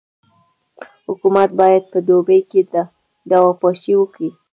حکومت باید په دوبي کي دوا پاشي وکي.